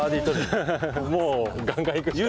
もうガンガンいくしかない。